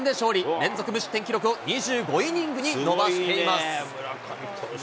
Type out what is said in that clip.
連続無失点記録を２５イニングに伸ばしています。